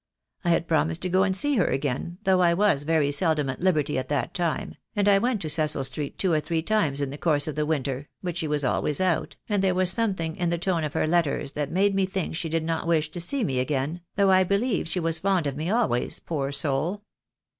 I had promised to go and see her again, though I was very seldom at liberty at that time, and I went to Cecil Street two or three times in the course of the winter, but she was always out, and there was some thing in the tone of her letters that made rne think she did not wish to see me again, though I believe she was fond of me ahvays, poor soul.